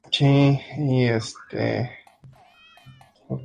Es el único torneo fuera de Europa que se juega sobre hierba.